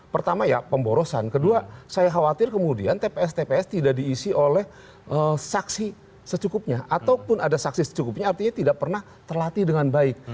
pertama ya pemborosan kedua saya khawatir kemudian tps tps tidak diisi oleh saksi secukupnya ataupun ada saksi secukupnya artinya tidak pernah terlatih dengan baik